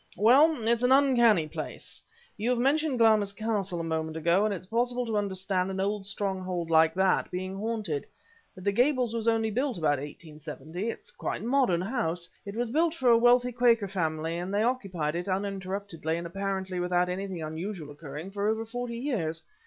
"Well, it's an uncanny place. You mentioned Glamys Castle a moment ago, and it's possible to understand an old stronghold like that being haunted, but the Gables was only built about 1870; it's quite a modern house. It was built for a wealthy Quaker family, and they occupied it, uninterruptedly and apparently without anything unusual occurring, for over forty years.